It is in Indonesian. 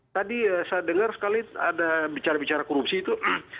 tadi saya dengar sekali ada bicara bicara korupsi itu